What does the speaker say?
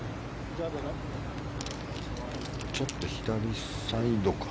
ちょっと左サイドか。